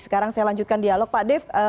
sekarang saya lanjutkan dialog pak dev